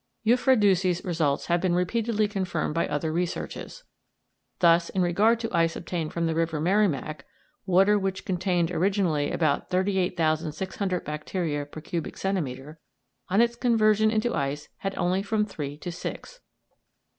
Uffreduzzi's results have been repeatedly confirmed by other researches. Thus, in regard to ice obtained from the River Merrimac, water which contained originally about 38,600 bacteria per cubic centimetre, on its conversion into ice had only from three to six.